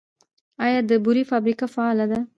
آیا د بورې فابریکه فعاله ده؟